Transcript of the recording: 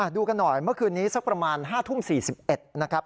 ดูกันหน่อยเมื่อคืนนี้สักประมาณ๕ทุ่ม๔๑นะครับ